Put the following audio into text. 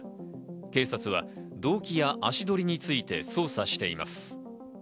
警察が動機や足取りについて捜査しています。